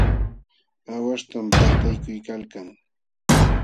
Aawaśhtam paltaykuykalkan.